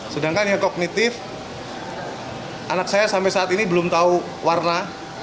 sedangkan yang kognitif anak saya sampai saat ini belum tahu warna